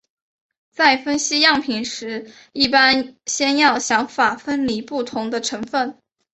在分析样品时一般先要想法分离不同的成分。